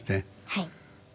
はい。